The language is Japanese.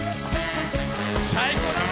最高だぜ！